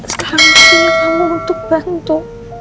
sekarang punya kamu untuk bantu